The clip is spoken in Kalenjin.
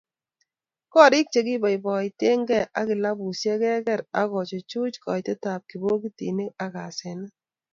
Gorik che kiboiboitekei ak kilabusiek keker ako chuchuch koitetab kibogitinik ak asenet